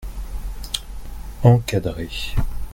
encadré.